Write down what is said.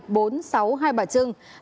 hai bốn sáu hai bả trưng